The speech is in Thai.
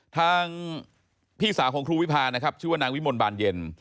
ทางพี่สาวของครูวิพานะครับชื่อว่านางวิมลบานเย็น